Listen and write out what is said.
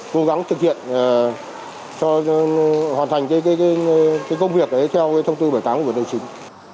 cố gắng thực hiện hoàn thành công việc theo thông tư bởi táng của bộ tài chính